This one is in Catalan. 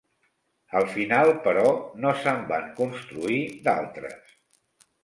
Al final, però, no se'n van construir d'altres.